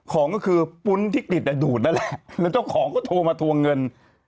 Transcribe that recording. ของก็คือปุ้นที่กลิดดูดนั่นแหละแล้วเจ้าของก็โทรมาทวงเงิน